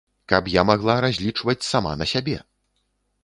Каб я магла разлічваць сама на сябе!